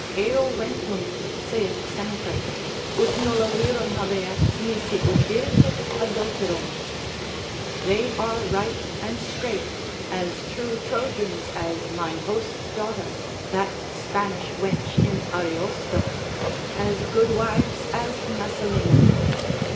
Eo ventum (saith Seneca) ut nulla virum habeat, nisi ut irritet adulterum. They are right and straight, as true Trojans as mine host's daughter, that Spanish wench in Ariosto, as good wives as Messalina.